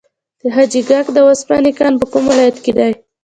د حاجي ګک د وسپنې کان په کوم ولایت کې دی؟